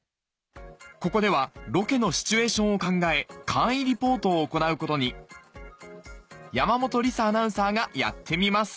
ここではロケのシチュエーションを考え簡易リポートを行うことに山本里咲アナウンサーがやってみます